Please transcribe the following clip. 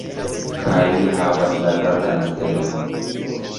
Kaj li havas la verdan stelon.